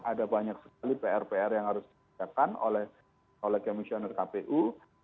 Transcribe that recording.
ada banyak sekali pr pr yang harus dikerjakan oleh komisioner kpu